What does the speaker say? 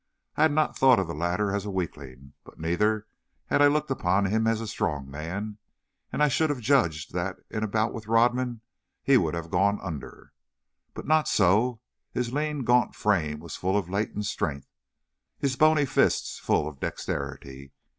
I had not thought of the latter as a weakling, but neither had I looked upon him as a strong man, and I should have judged that in a bout with Rodman he would have gone under. But not so; his lean, gaunt frame was full of latent strength, his bony fists full of dexterity.